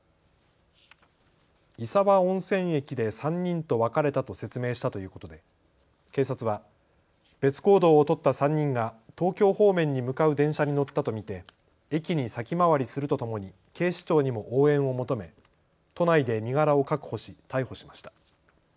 石和温泉駅で３人と別れたと説明したということで警察は別行動を取った３人が東京方面に向かう電車に乗ったと見て駅に先回りするとともに警視庁にも応援を求め都内で身柄を確保し逮捕しました。